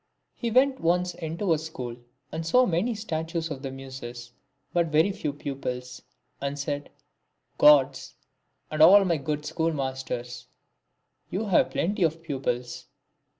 He went once into a school, and saw many statues of the Muses, but very few pupils, and said, " Gods, and all my good schoolmasters, you have plenty of pupils."